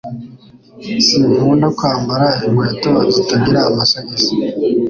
Sinkunda kwambara inkweto zitagira amasogisi